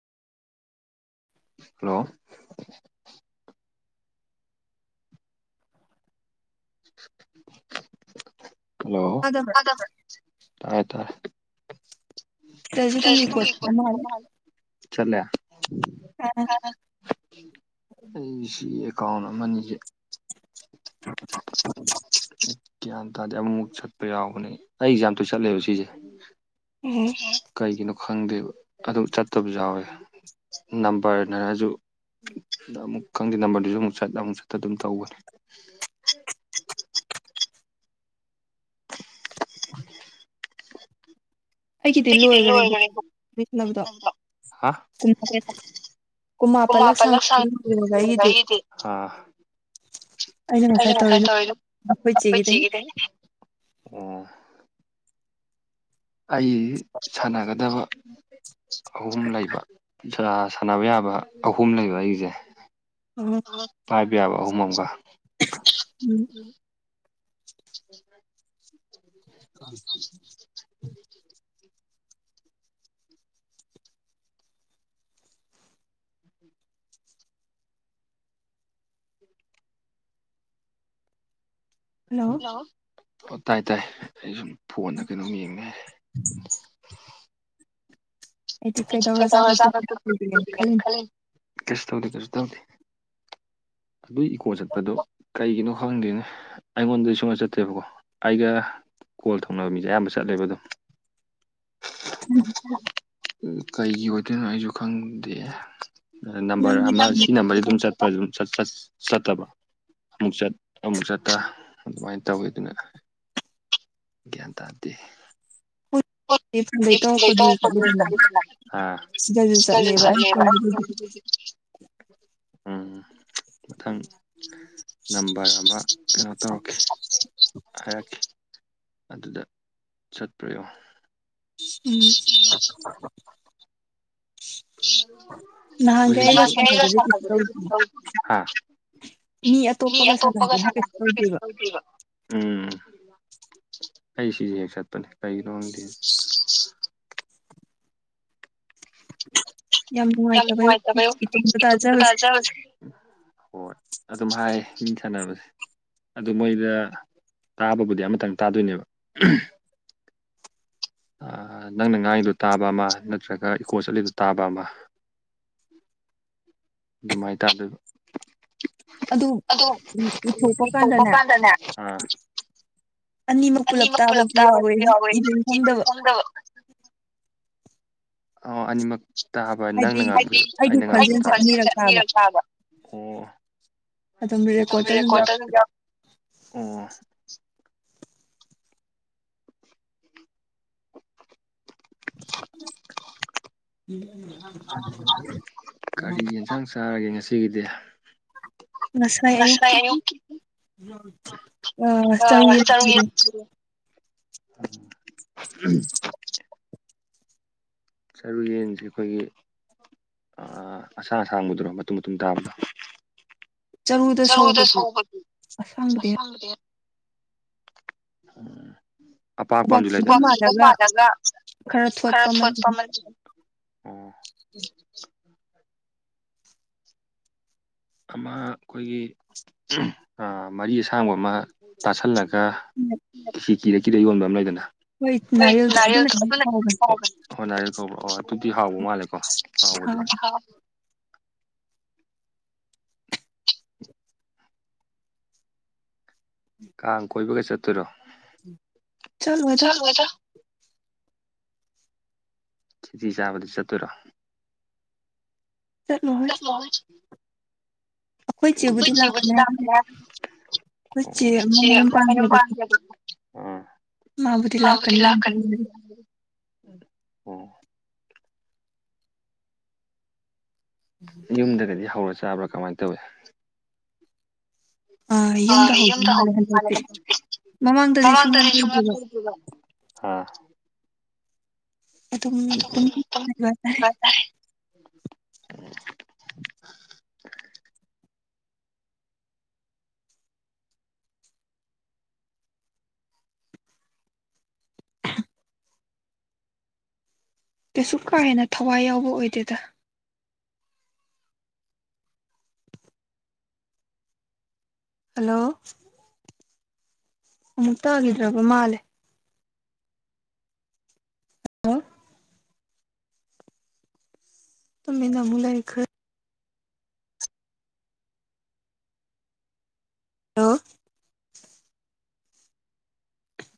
Hello hello ꯇꯥꯗꯕ꯭ꯔ ꯇꯥꯔꯦ ꯇꯥꯔꯦ ꯀꯩꯕ ꯊꯣꯡꯉꯤꯀꯣꯏ ꯑꯃ ꯍꯥꯏꯌꯣ ꯆꯠꯂꯦ [unintelligible] ꯑꯥ ꯑꯩ ꯁꯤ ꯑꯦꯀꯥꯎꯟ ꯑꯃꯅꯤꯁꯦ [unintelligible] ꯒ꯭ꯌꯥꯟ ꯇꯥꯗꯦ ꯑꯃꯨꯛꯃꯨꯛ ꯁꯠꯄꯥ ꯌꯥꯎꯕꯅꯦ ꯑꯩꯁꯦ ꯌꯝ ꯇꯣꯏꯁꯟ ꯂꯛꯑꯦꯕ ꯁꯤꯖꯦ ꯎꯝ ꯀꯩꯒꯤꯅꯣ ꯈꯪꯗꯦꯕ ꯑꯗꯨ ꯆꯠꯇꯕꯁꯨ ꯌꯥꯎꯋꯦ ꯅꯝꯕꯔꯅꯔꯁꯨ ꯑꯗ ꯑꯃꯨꯛ ꯈꯪꯗꯦ ꯅꯝꯕꯔꯗꯨꯁꯨ ꯑꯃꯨꯛ ꯆꯠ ꯑꯃꯨꯛ ꯆꯠꯇ ꯑꯗꯨꯝ ꯇꯧꯕꯅꯦ ꯑꯩꯒꯤꯗꯤ ꯂꯣꯏꯈꯔ꯭ꯦꯕ [unintelligible] ꯍꯥ ꯀꯨꯟꯃꯥꯥꯄꯜꯂꯛ ꯁꯥꯡ [unintelligible] ꯑꯩꯒꯤꯗꯤ꯫ ꯑꯥ ꯑꯩꯅꯥ ꯉꯥꯁꯥꯏ ꯇꯧꯔꯛꯏ ꯗꯣ ꯑꯩꯈꯣꯢ ꯆꯦ ꯒꯤꯗꯩꯅꯦ꯫ ꯑꯣ ꯑꯩ ꯁꯥꯟꯅꯒꯗꯕ ꯑꯈꯣꯏ ꯑꯍꯨꯝ ꯂꯩꯕ ꯖꯋ꯭ꯥꯔ ꯁꯥꯟꯅꯕ ꯌꯥꯕ ꯑꯍꯨꯝ ꯂꯩꯕ ꯑꯩꯒꯤꯁꯦ ꯎꯝ ꯄꯥꯏꯕ ꯌꯥꯕ ꯑꯍꯨꯝ ꯑꯃꯒ ꯎꯝ [unintelligible] [unintelligible] [unintelligible] ꯍꯜꯂꯣ ꯍꯜꯂꯣ! ꯑꯣ ꯇꯥꯏ ꯇꯥꯏ ꯑꯩ ꯁꯨꯝ ꯐꯣꯟꯗ ꯀꯩꯅꯣꯝ ꯌꯦꯡ ꯂꯩꯔꯦ꯫ ꯑꯩꯗꯤ ꯀꯩꯗꯧꯔ ꯖꯥꯠꯅꯣ ꯇꯨꯃꯤꯟ ꯂꯩꯔꯤꯗꯣ ꯈꯜꯂꯤꯅꯦ꯫ ꯀꯩꯁꯨ ꯇꯧꯗꯦ ꯀꯩꯁꯨ ꯇꯧꯗꯦ ꯑꯗꯨ ꯏꯀꯣ ꯆꯠꯄꯗꯣ ꯀꯩꯒꯤꯅꯣ ꯈꯪꯗꯦꯅꯦ ꯑꯩꯉꯣꯟꯗꯗꯤ ꯁꯨꯡꯉ ꯆꯠꯇꯦꯕꯀꯣ ꯑꯩꯒ ꯀꯣꯜ ꯇꯧꯅꯕ ꯃꯤꯁꯦ ꯑꯌꯥꯝꯕ ꯆꯠꯂꯦꯕ ꯑꯗꯨꯝ ꯎꯝ ꯎꯝ ꯀꯩꯒꯤ ꯑꯣꯏꯗꯣꯏꯅꯣ ꯑꯩꯁꯨ ꯈꯪꯗꯦ ꯅꯝꯕꯔ ꯑꯃ ꯁꯤ ꯅꯝꯕꯔꯁꯤ ꯑꯗꯨꯝ ꯆꯠ ꯐꯖꯅ ꯁꯠ ꯁꯠ ꯆꯠꯇꯕ ꯑꯃꯨꯛ ꯆꯠ ꯑꯃꯨꯛ ꯆꯠꯇ ꯑꯗꯨꯃꯥꯏꯅ ꯇꯧꯋꯤ ꯑꯗꯨꯅ ꯒ꯭ꯌꯥꯟ ꯇꯥꯗꯦ [unintelligible] ꯁꯤꯗꯁꯨ ꯆꯠꯂꯦꯕꯥ [unintelligible] ꯎꯝ ꯃꯊꯪꯗ ꯅꯝꯕꯔ ꯑꯃ ꯀꯩꯅꯣ ꯇꯧꯔꯛꯀꯦ ꯍꯥꯏꯔꯛꯀꯦ ꯑꯗꯨꯗ ꯆꯠꯄ꯭ꯔ ꯌꯦꯡꯉꯣ ꯎꯝ [unintelligible] [unintelligible] ꯃꯤ ꯑꯇꯣꯞꯄꯒ ꯁꯥꯅꯕꯗꯤ ꯀꯩꯁꯨ ꯇꯧꯗꯦꯕ ꯎꯝ ꯑꯩ ꯁꯤꯁꯦ ꯍꯦꯛ ꯆꯠꯄꯅꯦ ꯀꯩꯒꯤꯅꯣ ꯈꯪꯗꯦ ꯌꯥꯝ ꯅꯨꯡꯉꯥꯏꯇꯕ [unintelligible] ꯏꯇꯣꯝꯇ ꯇꯥꯖꯕꯥꯖꯦ ꯫ ꯍꯣꯏ ꯑꯗꯨꯝ ꯍꯥꯏꯌꯦ ꯃꯤ ꯁꯥꯟꯅꯕꯁꯦ ꯑꯗꯨ ꯃꯣꯏꯗ ꯇꯥꯕꯕꯨꯗꯤ ꯑꯃꯇꯪ ꯇꯥꯗꯣꯏꯅꯦꯕ ꯑꯥ ꯅꯪꯅ ꯉꯥꯡꯉꯤꯗꯨ ꯇꯥꯕ ꯑꯃ ꯅꯠꯇ꯭ꯔꯒ ꯏꯀꯣ ꯆꯠꯂꯤꯗꯨ ꯇꯥꯕ ꯑꯃ ꯑꯗꯨꯃꯥꯏꯅ ꯇꯥꯗꯨꯏꯕ ꯑꯗꯣ ꯏꯀꯣ ꯆꯠꯀꯥꯟꯗꯅꯦ ꯫ ꯑꯥ ꯑꯅꯤꯃꯛ ꯄꯨꯂꯞ ꯇꯥꯕꯁꯨ ꯌꯥꯎꯋꯦ ꯏꯕꯝ ꯈꯪꯗꯕ ꯑꯣ ꯑꯅꯤꯃꯛ ꯇꯥꯕ ꯅꯪꯅ ꯉꯥꯡꯕ ꯁꯨ ꯑꯩꯅ ꯉꯥꯡꯕ ꯁꯨ ꯇꯥꯕꯥ꫰ ꯍꯥꯏꯗꯤ ꯑꯩꯒꯤ ꯈꯣꯟꯖꯦꯜꯁꯦ ꯑꯅꯤꯔꯛ ꯇꯥꯕ꯫ ꯑꯣ ꯑꯗꯨꯝ ꯔꯦꯀꯣꯔꯗ ꯇꯥ ꯑꯗꯨꯝ ꯌꯥꯑꯣꯕꯅꯦ ꯫ ꯑꯣ [unintelligible] ꯀꯔꯤ ꯌꯦꯟꯁꯥꯡ ꯆꯥꯔꯒꯦ ꯉꯁꯤꯒꯤꯗꯤ ꯉꯁꯥꯏ ꯑꯌꯨꯛꯀꯤ ꯑꯥ ꯆꯥꯒꯦꯝ ꯊꯣꯡꯉꯦ꯫ [unintelligible] ꯆꯔꯨ ꯌꯦꯟꯁꯦ ꯑꯩꯈꯣꯏꯒꯤ ꯑꯁꯥꯡ ꯑꯁꯥꯡꯕꯗꯨꯔꯣ ꯃꯇꯨꯝ ꯃꯇꯨꯝ ꯇꯥꯕꯗꯣ? ꯆꯔꯨꯗ ꯁꯧꯕꯗꯤ ꯑꯁꯥꯡꯕꯗꯤ ꯑꯄꯥꯛꯄ ꯑꯃꯖꯨ ꯂꯩꯗꯥꯏ [unintelligible] ꯃꯥꯜꯂꯒ ꯈꯔ ꯊꯣꯠꯄ ꯑꯃ ꯑꯣ ꯑꯃ ꯑꯈꯣꯏꯒꯤ ꯃꯔꯤ ꯑꯁꯥꯡꯕ ꯑꯃ ꯇꯥꯁꯜꯂꯒ ꯀꯤꯁꯤ ꯀꯤꯔ ꯀꯤꯔ ꯌꯣꯟꯕ ꯑꯃ ꯂꯩꯗꯅ [unintelligible] ꯍꯣꯅꯔꯦꯜ ꯀꯧꯕ꯭ꯔꯥ ꯑꯣ ꯑꯗꯨꯗꯤ ꯍꯥꯎꯕ ꯃꯥꯜꯂꯦꯀꯣ ꯍꯥꯎꯕꯗꯤ [inaudible] ꯀꯥꯡ ꯀꯣꯏꯕꯒ ꯆꯠꯇꯣꯏꯔꯣ ꯆꯂꯣꯏꯗ ꯈꯤꯆꯤꯥ ꯆꯥꯕꯗꯤ ꯆꯠꯇꯣꯏꯔꯣ ꯆꯠꯂꯣꯏ ꯈꯣꯏ ꯆꯦꯕꯨꯗꯤ ꯂꯥꯛꯀꯅꯤ ꯍꯥꯏꯕꯅꯤ ꯈꯣꯏ ꯆꯦ ꯑꯃ ꯃꯌꯨꯝ ꯄꯥꯟꯒꯤꯕꯗꯣ ꯃꯥꯕꯨꯗꯤ ꯂꯥꯛꯀꯅꯤ ꯑꯣ ꯌꯨꯝꯗꯒꯗꯤ ꯍꯧꯔ ꯆꯥꯕ꯭ꯔꯥ ꯀꯃꯥꯏ ꯇꯧꯏ ꯑ ꯌꯨꯝꯗ ꯍꯧꯗꯣꯏ ꯃꯥꯜꯂꯦꯗꯦ ꯃꯃꯥꯡꯗꯗꯤ [unintelligible] ꯍꯥ [inaudible] ꯀꯩꯁꯨ ꯀꯥ ꯍꯦꯟꯅ ꯊꯋꯥꯏ ꯌꯥꯎꯕ ꯑꯣꯏꯗꯦꯗ ꯍꯜꯂꯣ ꯑꯃꯨꯛ ꯇꯒꯤꯗ꯭ꯔꯕ ꯃꯥꯜꯂꯦ [inaudible] ꯇꯃꯤꯟꯅ ꯑꯃꯨ ꯂꯩ ꯈ꯭ꯔꯦ ꯂꯣ